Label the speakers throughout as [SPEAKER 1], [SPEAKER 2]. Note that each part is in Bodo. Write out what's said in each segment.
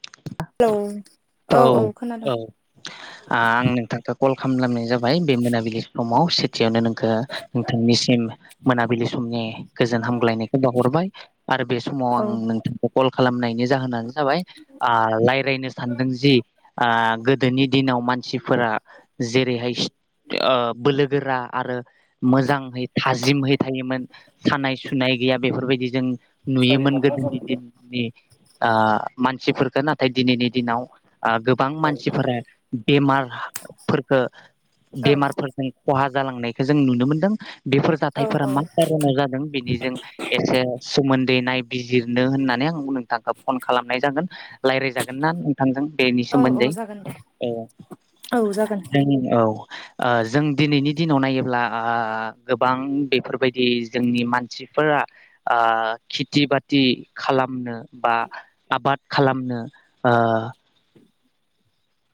[SPEAKER 1] [unintelligible]
[SPEAKER 2] औ औ आं नोंथांखौ कल खामलामनाय जाबाय बे मोनाबिलि समाव सिटियावनो नों खो नोंथांनिसिम मोनाबिलि समनि गोजोन हामग्लायनायखौ बावहरबाय आरो बे समाव आं
[SPEAKER 1] औ
[SPEAKER 2] नोंथांखौ कल खालामनायनि जाहोनानो जाबाय ओ लायरायनो सानदों [unintelligible] आ गोदोनि दिनाव मानसिफोरा जेरैहाय स ओ बोलो गोरा आरो मोजांहै था जिमहै थायोमोन सानाय सु सुनाय गैया बेफोरबायदि जों नुयोमोन गोदोनि दिननि ओ मानसिफोरखो नाथाय दिनैनि दिनाव ओ गोबां मानसिफोरा बेमारख फोरखो
[SPEAKER 1] औ
[SPEAKER 2] बेमारफोरजों खहा जालांनाय खो जों नुनो मोनदों। बेफोर
[SPEAKER 1] औ
[SPEAKER 2] जाथायफोरा मा
[SPEAKER 1] औ
[SPEAKER 2] कार'नाव जादों बिनिजों एसे सोमोन्दै नाय बिजिरनो होननानै आं नोंथांखौ फन खालामनाय जागोन रायलायजागोन ना नोंथांजों? बेनि
[SPEAKER 1] औ औ
[SPEAKER 2] सोमोन्दै
[SPEAKER 1] जागोन दे
[SPEAKER 2] औ
[SPEAKER 1] औ जागोन
[SPEAKER 2] जों औ ओ जों दिनैनि दिनाव नायोब्ला ओ गोबां बेफोरबायदि जोंनि मानसिफोरा ओ खेथि बाथि खालामनो बा आबाद खालामनो ओ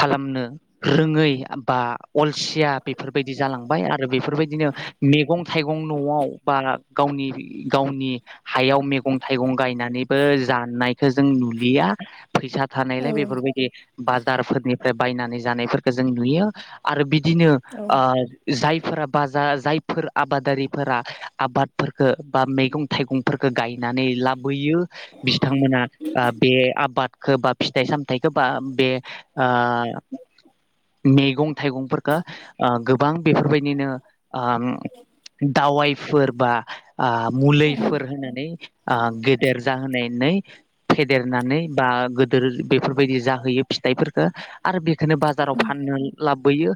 [SPEAKER 2] खालामनो रोङै आ बा अलसिया बेफोरबायदि जालांबाय आरो बेफोरबायदिनो मेगं थाइगं न'आव बा गावनि गावनि हायाव मेगं थाइगं गायनानैबो जानायखो जों नुलिया। फैसा
[SPEAKER 1] औ
[SPEAKER 2] थानायलाय बेफोरबायदि बाजारफोर फ्राय बायनानै जानायफोरखो जों नुयो आरो बि दिनो
[SPEAKER 1] औ
[SPEAKER 2] ओ जाय फोरा बा जा जायफोर आबादारिफोरा आबादफोरफोरखो बा मैगं थाइगंफोरफोरखो गायनानै लाबोयो बिथांमोना ओ बे आबाद। खो फिथाइ सामथाइखो बा बे आ मेगं थाइगंफोरखो आ गोबां बेफोरबायदि बिनो आ दावाइफोर बा आ मुलिफोर होनानै आ गेदेर जाहोनाय नै फेदेरनानै बा गोदोर बेफोर बायदि जाहोयो फिथाइफोर आरो बे बेखोनो बाजाराव
[SPEAKER 1] औ
[SPEAKER 2] फाननो लाबो बोयो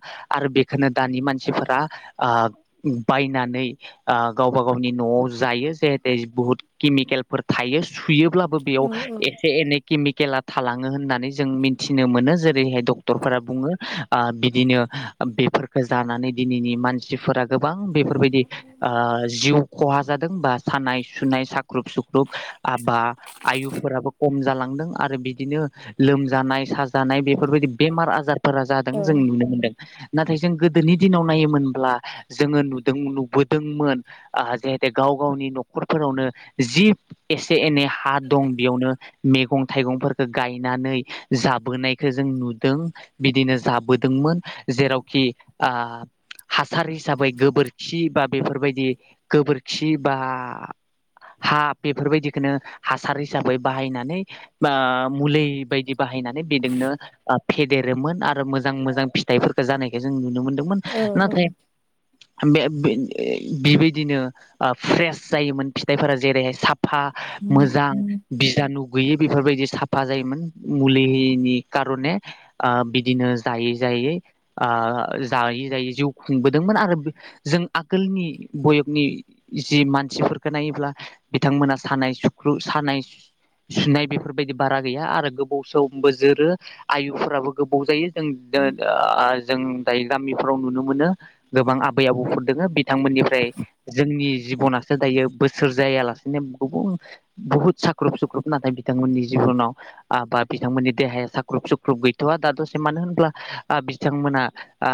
[SPEAKER 2] बेखौनो दानि मानसि आ बायनानै आ गावबा गावनि न'आव जायो जेे बुहुद केमिकेल थायो सुयोब्लाबो बेयाव एसे एनै केमिकेला थालाङो होननानै जों मिथिनो मो जेरैहाय डक्टर बुङो बिदिनो बेफोरखौ जानानै दिनैनि मानसिफोरा गोबां बेफोरबायदि ओ जिउ खहा जादों बा सानाय सुनाय साख्रुब सुख्रुब आ बा आयुफोराबो खम जालां दों आरो बिदिनो लोमजानाय साजा जानाय बे बेफोरबायदि बेमार आजारफोरा जादों जों नुनो मोनदों। नाथाय जों गोदोनि दिनाव नायोमोनब्ला जोङो नुदों नुबोदोंमोन आ जाहाते गाव गावनि न'खरफोरावनो जि एसे एनै हा दं बेयावनो मेगं थाइगंफोरखो गायनानै जाब जाबोनायखौ जों नुदों बिदिनो जाबोदोंमोन जेरावखि हासार हिसाबै गोबोरखि बा बेफोर बायदि गोबोरखि बा हा बेफोर बायदिखौनो हासार हिसाबै बाहायनानै मुलि बायदि बाहायनानै बिजोंनो। फेदेरोमोन आरो मोजां मोजां फिथाइफोरखौ जानायखौ जों नुनो मोनो। मोन
[SPEAKER 1] औ
[SPEAKER 2] नाथाय। बे बिबायदिनो फ्रेस जायोमोन फिथाइफोरा जेरैहाय साफ फा मोजां
[SPEAKER 1] औ
[SPEAKER 2] बिजानु गैयै बेफोर बायदि साफा जायोमोन मुलि [inaudible] बो जोरो आयुफोराबो गोबाव जायो जों
[SPEAKER 1] औ
[SPEAKER 2] जों दायो गामिफ्राव नुनो मोनो गोबां आबै आबौफोर दङ । बिथांमोननिफ्राय जोंनि जिबनासो दायो बैसो जायालासेनो गुबुन बुहुत साख्रुब सुख्रुब नाथाय बिथांमोननि जिबनाव । बिथांमोननि देहाया साख्रुब सुख्रुब गैथ'वा दा दसे मानो होनब्ला बिथांमोना ओ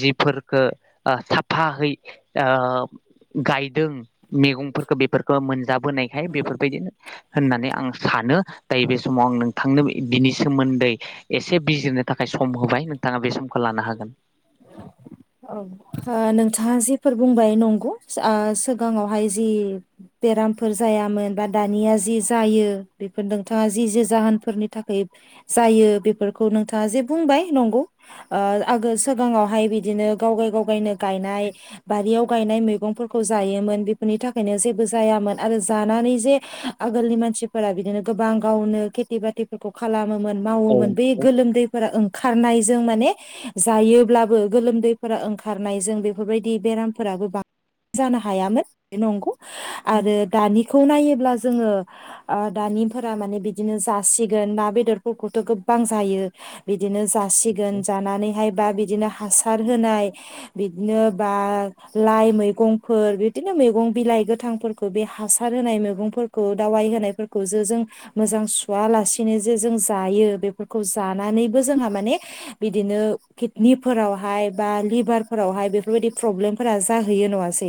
[SPEAKER 2] जिफोरखो ओ साफायै ओ गायदों मैगंफोरखौ बेफोरखौ मोनजाबोनायखाय बेफोरबायदिनो होननानै आं सानो दायो बे समाव आं नों थांनो बिनि सोमोन्दै एसे बिजिरनो थाखाय सम होबाय नोंथाङा बे समखौ लानो हागोन
[SPEAKER 1] ओ नोंथाङा जिेफोर बुंबाय नंगौ सिगाङावहाय जि बेरामफोर जायामोन बा दानिया जि जायो बेफोर नोंथाङा जि जे जाहोनफोरनि थाखाय जायो बेफोरखौ नोंथाङा जे बुंबाय नंगौ ओ आगोल सिगाङावहाय बिदिनो गावगाय गावगायनो गायनाय बारियाव गायनाय मैगंफोरखौ जायोमोन बिफोरनि थाखायनो जेबो जायामोन आरो जानानै जे आगोलनि मानसिफोरा बिदिनो गोबां गावनो किथि बाथिफोरखौ खालामो [unintelligible] मावोमोन बे
[SPEAKER 2] औ
[SPEAKER 1] गोलोमदैफोरा ओं खारनायजों माने जायोब्लाबो गोलोमदै फोरा ओंखारनाय जों बेफोरबायदि बेरामफोराबो बां जानो हायामोन नंगौ आरो दानिखौ नायोब्ला जोङो ओ दानिफोरा माने बिदिनो जासिगोन ना बेदरफोरखौथ' गोबां जायो बिदिनो जासिगोन जानानैहाय बा बिदिनो हासार [unintelligible] लाय मैगंफोर बिदिनो मैगं बिलाइ गोथांफोरखौ बे हासार होनाय मैगंफोरखौ दावाय होनायफोरखौ सो जों मोजां सुवा लासिनो जे जों जायो बेफोरखौ जानानैबो जोंहा माने बिदिनो किदनिफोरावहाय बा लिभारफोरावहाय बेफोरबायदि प्रब्लेमफोरा जाहैयो नङासै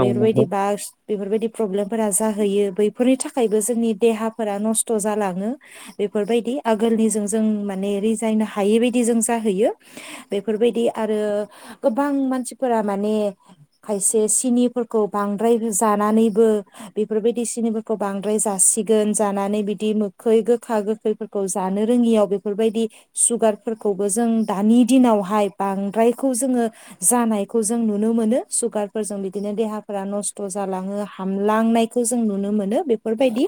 [SPEAKER 2] औ नंगौ
[SPEAKER 1] बास बेफोरबायदि प्रब्लेम फोरा जाहैयो बैफोरनि थाखायबो जोंनि देहाफोरा नस्थ' जालाङो बेफोरबायदि आगोलनिजों जों माने रिजायनो हायै बदि जों जाहैयो बेफोरबायदि आरो गोबां मानसिफोरा माने खायसे सिनिफोरखौ बांद्राय जानानैबो बेफोरबायदि सिनिफोरखौ बांद्राय जासिगोन जानानै बिदि मोखै गोखा गोखैफोरखौ जानो रोङियाव बेफोरबायदि सुगारफोरखौबो जों दानि दिनावहाय बांद्रायखौ जोङो जानायखौ जों नुनो मोनो सुगारफोरजों बिदिनो देहाफोरा नस्थ' जालाङो हामलांनायखौ जों नुनो मोनो बेफोरबायदि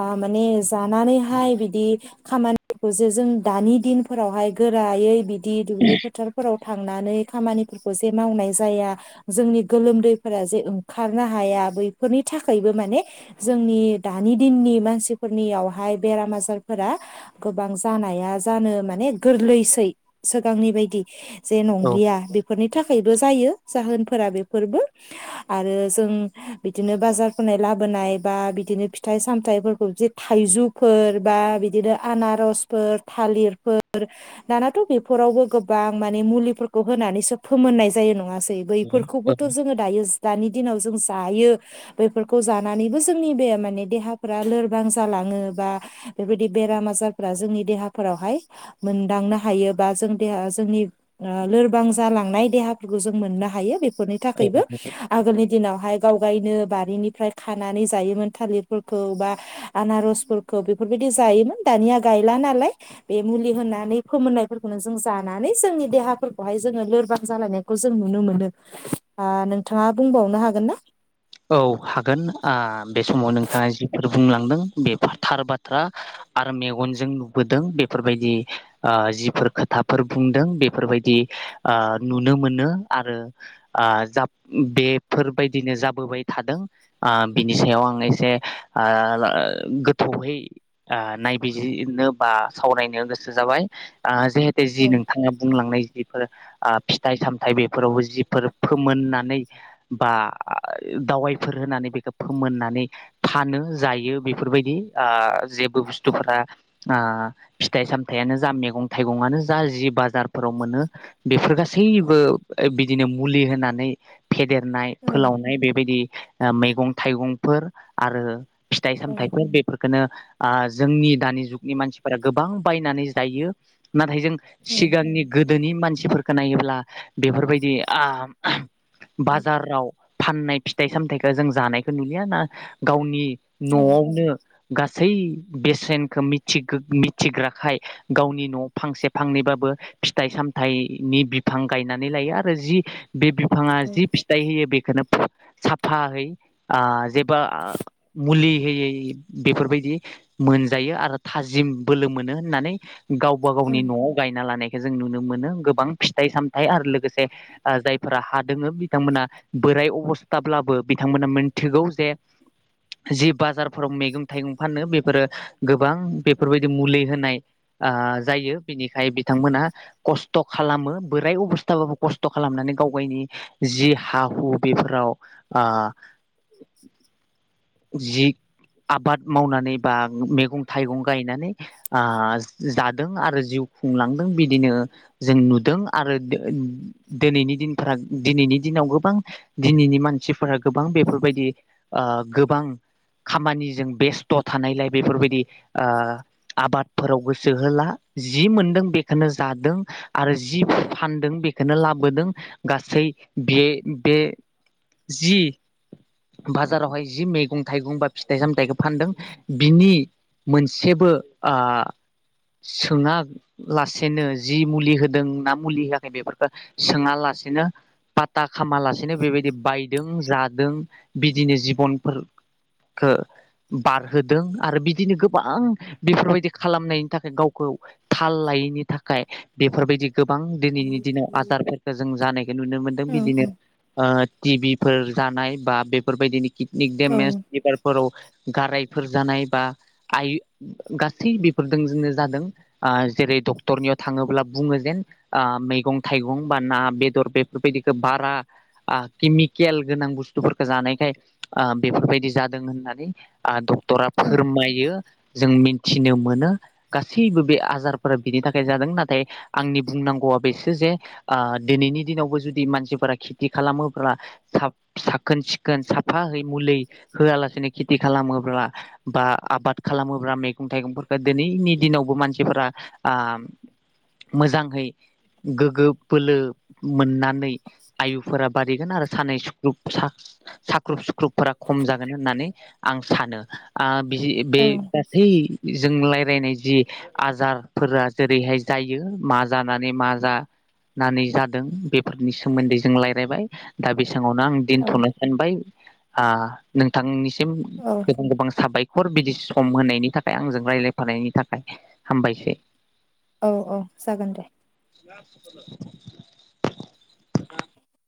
[SPEAKER 1] ओ माने जानानैहाय बिदि खामानिफोरखौ जे जों दानि दिनफोरावहाय गोरायै बिदि दुब्लि फोथारफोराव थांनानै खामानिफोरखौ जे मावनाय जाया जोंनि गोलोमदैफोरा जे ओंखारनो हाया बैफोरनि थाखायबो माने जोंनि दानि दिननि मानसिफोरनियावहाय बेराम आजारफोरा गोबां जानाया जानो माने गोरलैसै सिगांनि बायदि [unintelligible] जे
[SPEAKER 2] औ
[SPEAKER 1] नंलिया बेफोरनि थाखायबो जायो जाहोनफोरा बेफोरबो आरो जों बिदिनो बाजारफोरनाय लाबोनाय बा बिदिनो फिथाइ सामथाइफोरखौ बिदि थाइजौफोर बा बिदिनो आनारसफोर थालिरफोर दानाथ' बेफोरावबो गोबां गोबां माने मुलिफोरखौ होनानैसो फोमोननाय जायो नङासै
[SPEAKER 2] नंगौ
[SPEAKER 1] बैफोरखौबोथ' जोङो दायो दानि दिनाव जों जायो बेफोरखौ जानानैबो जोंनि बे माने देहाफोरा लोरबां जालाङो बा बेबायदि बेराम आजारफोरा जोंनि देहाफोरावहाय मोनदांनो हायो बा जों देहा जोंनि ओ लोरबां जालांनाय देहाफोरखौ जों मोननो हायो बे बेफोरनि
[SPEAKER 2] औ औ
[SPEAKER 1] थाखायबो
[SPEAKER 2] नंगौ
[SPEAKER 1] आगोलनि दिनावहाय गाव गायनो बारिनिफ्राय खानानै जायोमोन थालिरफोरखौ बा आनारसफोरखौ बेफोरबायदि जायोमोन दानिया गायला नालाय बे मुलि होनानै फोमोननायफोरखौनो जों जा जानानै जोंनि देहाफोरखौहाय जोङो लोरबां जालायनायखौ जों नुनो मोनो नोंथाङा ओ बुंबावनो हागोन ना
[SPEAKER 2] औ हागोन आ बे समाव नोंथाङा जिफोर बुंलांदों बे थार बाथ्रा आरो मेगनजों नुबोदों बेफोरबायदि ओ जिफोर खोथाफोर बुंदों बेफोरबायदि ओ नुनो मोनो आरो [unintelligible] बेफोरबायदिनो जा नुबोबाय थादों ओ बिनि सायाव आं एसे गोथौहै ओ नायबिजिरनो बा सावरायनो गोसो जाबाय ओ [unintelligible]
[SPEAKER 1] औ
[SPEAKER 2] जि नोंथाङा बुंलांनाय जिफोर ओ फिथाइ-सामथाय बेफोरावबो जिफोर फोमोननानै बा ओ दावाइफोर होनानै बेखौ फोमोननानै फानो जायो बेफोरबायदि ओ जेबो बुस्थुफोरा ओ फिथाइ सामथायानो जा मैगं थाइगंआनो जा जि बाजारफोराव मोनो बेफोर गासैबो बिदिनो मुलि होनानै फेदेर नाय
[SPEAKER 1] औ
[SPEAKER 2] फोलाव बेबायदि ओ मैगं-थाइगं फोर आरो
[SPEAKER 1] औ
[SPEAKER 2] फिथाइ-सामथायाइफोर बेफोरफोरखोनो आ जोंनि दानि जुगनि मानसिफोरा गोबां बायनानै जायो नाथाय जों
[SPEAKER 1] औ
[SPEAKER 2] सिगांनि गोदोनि मानसिफोर खोनायोब्ला बेफोरबायदि ओ बाजाराव फाननाय फिथाइ-सामथाइखौ जों जानायखौ नुलिया ना गावनि
[SPEAKER 1] औ
[SPEAKER 2] न'आवनो गासै बेसेनखौ मिथिगो मिथिग्राखाय गावनि न'आव फांसे फांनैबाबो फिथाइ-सामथाइनि बिफां गायनानै लायो आरो जि बे बिफाङा
[SPEAKER 1] औ
[SPEAKER 2] जि फिथाइ होयो बेखौनो साफायै ओ जेबा आ मुलि होयै बेफोरबायदि मोनजायो आरो थाजिम बोलो मोनो होननानै गावबा गावनि न'आव गायना लानाय खो जों नुनो मोनो गोबां फिथाइ सामथाइ आरो लोगोसे जायफोरा हा दोङो बिथांमोना बोराय अ अबस्थाब्लाबो बिथांमोना मोनथिगौ जे जि बाजारफोराव मैगं थाइगं फानो बेफोरो गोबां बेफोरबायदि मुलि होनाय ओ जायो बेनिखाय बिथांमोना खस्थ' खालामो बोराय अबस्थाबाबो खस्थ' खालामनानै गाव गावनि जि हा हु‌ बेफोराव ओ जि आबाद मावनानै बा मैगं थाइगं गायनानै ओ जादों आरो जिउ खुंलांदों बिदिनो जों नुदों आरो दिनैनि दिनफोरा दिनैनि दिनाव गोबां दिनैनि मानसिफोरा गोबां बेफोरबायदि ओ गो बां खामानिजों बेस्थ' थानायलाय बेफोरबायदि ओ आबाद फोराव गोसो होला जि मोनदों बेखौनो जादों आरो जि फानदों बे खौनो लाबोदों गासै बे बे जि बाजारावहाय जि मैगं थाइगं बा फिथाइ सामथाइखौ फानदों बिनि मोनसेबो ओ सोङा लासेनो जि मुलि होदों ना मुलि होआखै बेफोरखौ सोङा लासेनो पाता खामा लासेनो बेबायदि बायदों जादों । बिदिनो जिबनफोरखो बारहोदों आरो बिदिनो गोबां बेफोरबायदि खालामनायनि थाखाय गावखौ थाल लायैनि थाखाय बेफोरबायदि गोबां दिनैनि दिनाव आजारफोरखौ जों जानायखौ नुनो मोनदों बिदिनो ओ टि बिफोर जानाय बा बेफोरबायदिनि किडनि दडमेज लिभारफोराव गारायफोर जानाय बा आय गासै बेफोरजों जोङो जादों ओ जेरै डक्टरनियाव थाङोब्ला बुङो ओ जेन मैगं-थाइगं बा ना-बेदर बेफोरबायदिखौ बारा ओ केमिकेल गोनां बुस्थुफोर जानायखाय ओ बेफोरबायदि जादों होननानै ओ ड क्टरा फोरमायो जों मिथिनो मोनो गासैबो बे आजारफोरा बिनि थाखाय जादों नाथाय आंनि बुंनांगौवा बेसो जे ओ दिनैनि दिनावबो जुदि मानसिफोरा खेथि खालामोबोब्ला साब साब साखोन सिखोन साफाहै मुलि होआलासिनो खेथि खालामोब्ला बा आबाद खालामोब्ला मैगं थाइगंफोरखौ दिनैनि दिनावबो मानसिफोरा ओ मोजाङै गोग्गो बोलो मोनना नै आयुफोरा बारि गोन आरो सानै सुख्रुब सा साख्रुब सुख्रु ख्रुबफोरा खम जागोन होननानै आं सानो ओ बि बे गासै जों लायरायनाय जि आजारफोरा जेरैहाय जायो मा जानानै मा जानानै जादों बेफोरनि सोमोन्दै जों रायलायबाय दा बेसाङावनो दोनथ'नो सानबाय ओ नोंथांनि सि सिम
[SPEAKER 1] औ
[SPEAKER 2] गोबां गोबां साबाय हर बिदि सम होनायनि थाखाय आंजों रायलायफानायनि थाखाय हामबायसै।
[SPEAKER 1] औ औ जागोन दे।
[SPEAKER 2] [unintelligible]